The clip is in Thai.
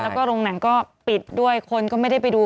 แล้วก็โรงหนังก็ปิดด้วยคนก็ไม่ได้ไปดู